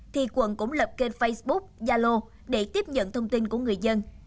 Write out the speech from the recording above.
thì quận cũng lập kênh facebook yalo để tiếp nhận thông tin của người dân